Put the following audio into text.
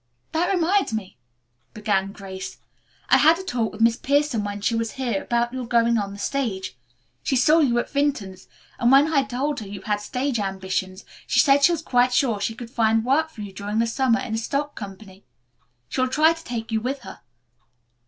"That reminds me," began Grace. "I had a talk with Miss Pierson when she was here about your going on the stage. She saw you at Vinton's, and when I told her you had stage ambitions she said she was quite sure she could find work for you during the summer in a stock company. She will try to take you with her."